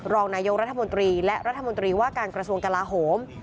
รองนายกรัฐมนตรีและรัฐมนตรีว่าการกระทรวงกลาโหม